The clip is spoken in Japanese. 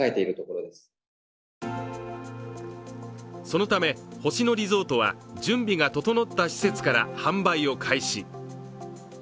そのため、星野リゾートは準備が整った施設から販売を開始。